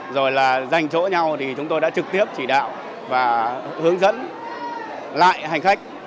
rồi là dành chỗ nhau thì chúng tôi đã trực tiếp chỉ đạo và hướng dẫn lại hành khách